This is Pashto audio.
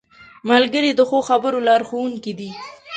ملګری د ښو خبرو لارښوونکی دی